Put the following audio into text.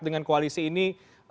dengan koalisi ini